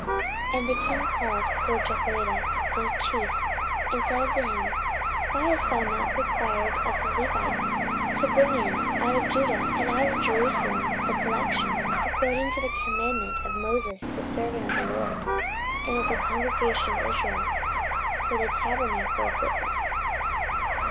14:024:006 And the king called for Jehoiada the chief, and said unto him, Why hast thou not required of the Levites to bring in out of Judah and out of Jerusalem the collection, according to the commandment of Moses the servant of the LORD, and of the congregation of Israel, for the tabernacle of witness?